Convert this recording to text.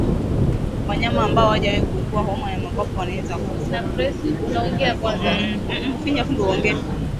Wanyama ambao hawajawahi kuugua homa ya mapafu wanaweza kufa